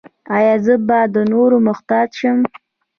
ایا زه به د نورو محتاج شم؟